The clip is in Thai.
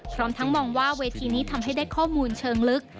พร้อมทั้งมองว่าเวทีนี้ทำให้ได้ข้อมูลเชิงลึก